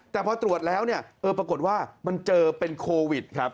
แต่พอตรวจแล้วเนี่ยเออปรากฏว่ามันเจอเป็นโควิดครับ